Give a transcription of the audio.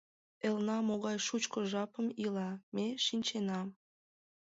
Элна могай шучко жапым ила, ме шинчена.